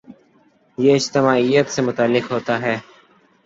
یہ اجتماعیت سے متعلق ہوتا ہے۔